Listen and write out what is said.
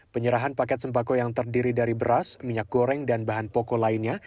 penyerahan paket sembako yang terdiri dari beras minyak goreng dan bahan pokok lainnya